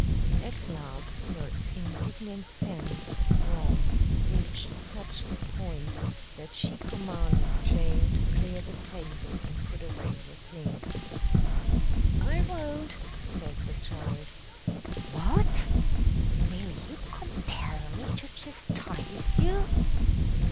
At last, her indignant sense of wrong reached such a point that she commanded Jane to clear the table and put away the things. "I won't," said the child. "What! Will you compel me to chastise you?"